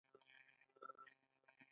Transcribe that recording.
د مقناطیسي خطونو تراکم څه شی ښيي؟